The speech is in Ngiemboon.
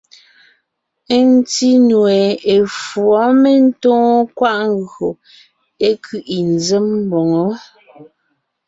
Ńtí nue, efǔɔ mentóon kwaʼ ńgÿo é kẅiʼi ńzém mboŋó.